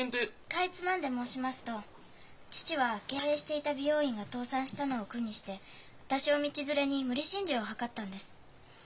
かいつまんで申しますと父は経営していた美容院が倒産したのを苦にして私を道連れに無理心中を図ったんです。